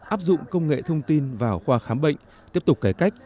áp dụng công nghệ thông tin vào khoa khám bệnh tiếp tục cải cách